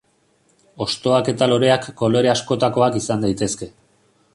Hostoak eta loreak kolore askotakoak izan daitezke.